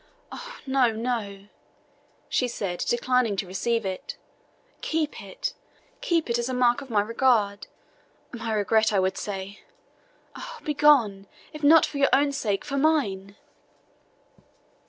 "Oh, no, no " she said, declining to receive it. "Keep it keep it as a mark of my regard my regret, I would say. Oh, begone, if not for your own sake, for mine!"